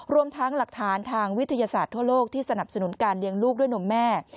รวมทั้งหลักฐานทางวิทยาศาสตร์ทั่วโลกที่สนับสนุนการเลี้ยงลูกด้วยนมแม่